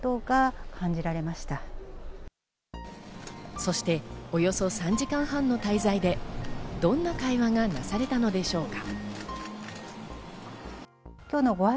そしておよそ３時間半の滞在でどんな会話がなされたのでしょうか。